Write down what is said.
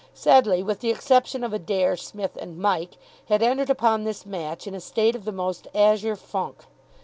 Sedleigh, with the exception of Adair, Psmith, and Mike, had entered upon this match in a state of the most azure funk.